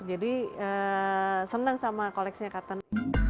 jadi senang sama koleksinya kattening